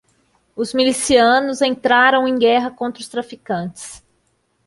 Os milicianos entraram em guerra contra os traficantes.